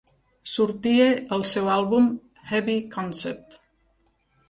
Sortia al seu àlbum "Heavy Concept".